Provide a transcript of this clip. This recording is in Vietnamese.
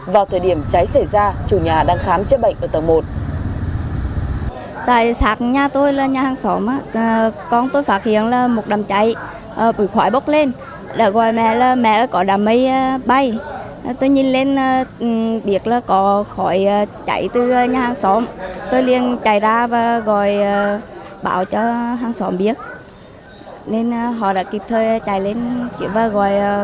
vào thời điểm cháy xảy ra chủ nhà đang khám chế bệnh ở tầng một